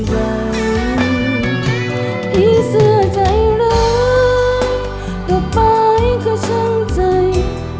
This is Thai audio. ที่เสียใจรักตอบไปก็ช่างใจอ้อ